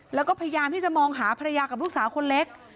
แล้วก็พยายามที่จะมองหาภรรยากับลูกสาวคนเล็ก